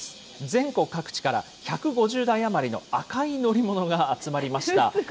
全国各地から、１５０台余りの赤い乗り物が集まりました。